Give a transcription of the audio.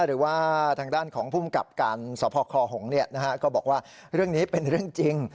หรือว่าทางด้านของภูมิกับการสพคหงก็บอกว่าเรื่องนี้เป็นเรื่องจริง